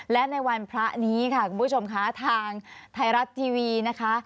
และในวันพระนี้ค่ะคุณผู้ชมค่ะทางไทยรัฐทีวีนะคะ